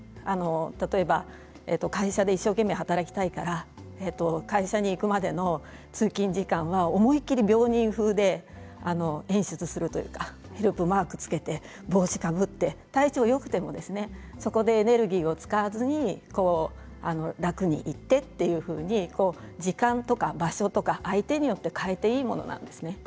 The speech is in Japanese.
例えば会社で一生懸命働きたいから会社に行くまでの通勤時間は思い切り病人風で演出するというかヘルプマークをつけて帽子をかぶってそこでエネルギーを使わずに楽に行ってという時間とか場所とか相手によって変えていいものなんです。